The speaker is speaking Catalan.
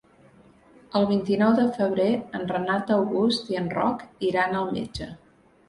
El vint-i-nou de febrer en Renat August i en Roc iran al metge.